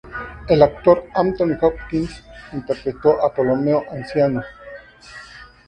El actor Anthony Hopkins interpretó a Ptolomeo anciano.